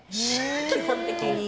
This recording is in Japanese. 基本的に。